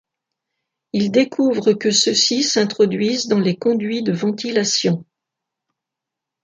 Il découvre que ceux-ci s'introduisent dans les conduits de ventilation.